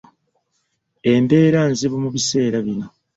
Embeera nzibu mu biseera bino.